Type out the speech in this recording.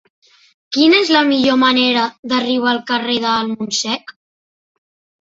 Quina és la millor manera d'arribar al carrer del Montsec?